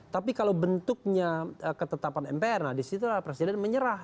tapi kalau bentuknya ketetapan mpr nah disitulah presiden menyerah